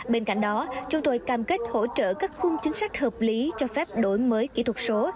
bên cạnh đó chúng tôi cam kết hỗ trợ các khung chính sách hợp lý cho phép đổi mới kỹ thuật số